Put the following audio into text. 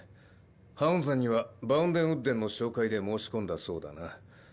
ハウンゼンにはバウンデンウッデンの紹介で申し込んだそうだな。